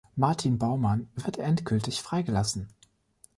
Martin Baumann wird endgültig freigelassen.